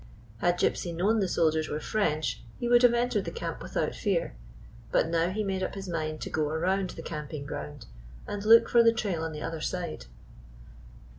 Had Gypsy known the soldiers were French he would have entered the camp without fear; but now he made up his mind to go around the 163 GYPSY, THE TALKING DOG camping ground and look for tlie trail on the other side.